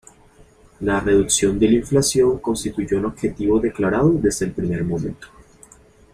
La reducción de la inflación constituyó un objetivo declarado desde el primer momento.